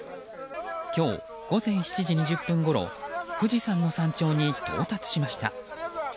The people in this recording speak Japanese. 今日午前７時２０分ごろ富士山の山頂に到達しました。